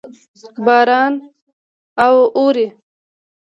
باران اوري.